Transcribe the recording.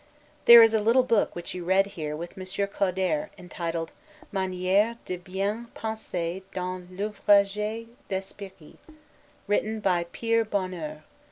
There is a little book which you read here with Monsieur Codere entitled, 'Maniere de bien penser dans les Ouvrages d'Esprit,' written by Pyre Bonhours.